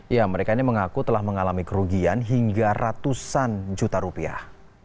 ya mereka ini mengaku telah mengalami kerugian hingga ratusan juta rupiah